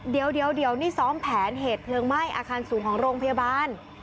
เดี๋ยวนี่ซ้อมแผนเหตุเพลิงไหม้อาคารสูงของโรงพยาบาล